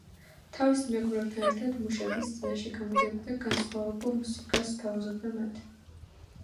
თავის მეგობრებთან ერთად მუშების წინაშე გამოდიოდა და განსხვავებულ მუსიკას სთავაზობდა მათ.